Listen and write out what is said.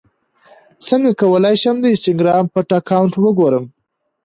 څنګه کولی شم د انسټاګرام پټ اکاونټ وګورم